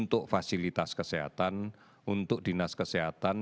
untuk fasilitas kesehatan untuk dinas kesehatan